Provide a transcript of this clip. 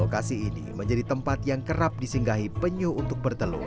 lokasi ini menjadi tempat yang kerap disinggahi penyu untuk bertelur